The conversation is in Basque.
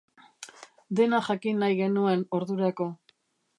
Dena jakin nahi genuen ordurako.